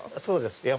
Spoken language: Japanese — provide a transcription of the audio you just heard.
そうです